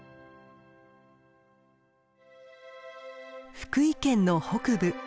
福井県の北部。